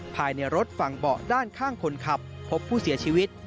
ภายในรถฝั่งเบาะด้านข้างคนขับพบผู้เสียชีวิต